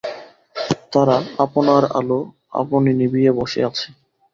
তারা আপনার আলো আপনি নিবিয়ে বসে আছে।